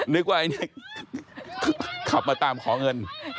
นึกว่าไอ้นิกขับมาตามขอเงิน